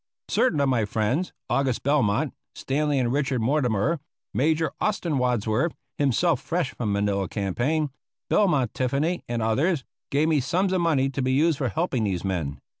Certain of my friends, August Belmont, Stanley and Richard Mortimer, Major Austin Wadsworth himself fresh from the Manila campaign Belmont Tiffany, and others, gave me sums of money to be used for helping these men.